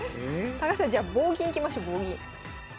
高橋さんじゃあ棒銀いきましょう棒銀。